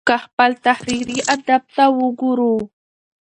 که خپل تحريري ادب ته وګورو